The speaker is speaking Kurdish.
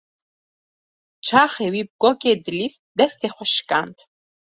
Çaxê wî bi gogê dilîst, destê xwe şikand.